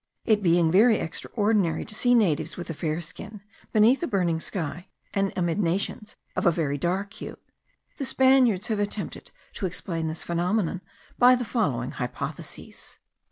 It being very extraordinary to see natives with a fair skin beneath a burning sky, and amid nations of a very dark hue, the Spaniards have attempted to explain this phenomenon by the following hypotheses.